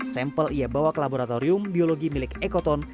sample ia bawa ke laboratorium biologi milik ecotone